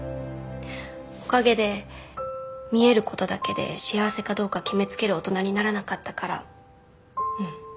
おかげで見えることだけで幸せかどうか決め付ける大人にならなかったからうん。